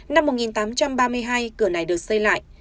năm một nghìn tám trăm ba mươi hai cửa này được xây lại